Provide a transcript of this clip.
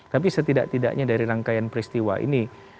tapi setidak tidaknya dari rangkaian peristiwa ini